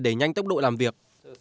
đẩy nhanh tốc độ làm việc